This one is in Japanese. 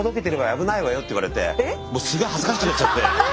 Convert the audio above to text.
危ないわよって言われてすげえ恥ずかしくなっちゃって。